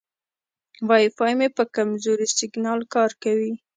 وای فای مې په کمزوري سیګنال کار کوي.